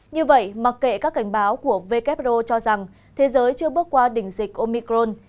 như vậy mặc kệ các cảnh báo của wo cho rằng thế giới chưa bước qua đỉnh dịch omicron